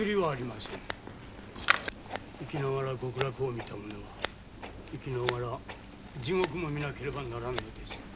生きながら極楽を見た者は生きながら地獄も見ねばなりません。